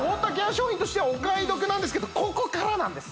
商品としてはお買い得なんですけどここからなんです